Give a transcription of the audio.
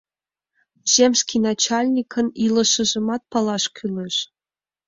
Земский начальникын илышыжымат палаш кӱлеш.